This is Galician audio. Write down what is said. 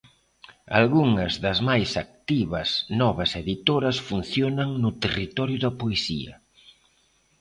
Algunhas das máis activas novas editoras funcionan no territorio da poesía.